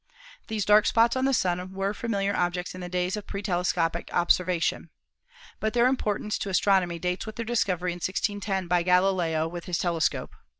These dark spots on the Sun were familiar objects in the days of pretelescopic observation. But their importance to as tronomy dates with their discovery in 1610 by Galileo with his telescope.